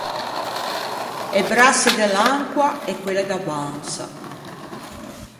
E brasse de l’ancoa e quelle da bansa.